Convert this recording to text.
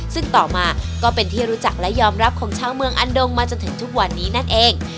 ซึ่งต่อมาก็เป็นที่รู้จักและยอมรับของชาวเมืองอันดงมาจนถึงทุกวันนี้นั่นเอง